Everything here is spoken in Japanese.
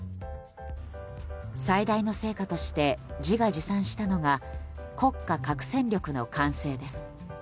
最大の成果として自画自賛したのが国家核戦力の完成です。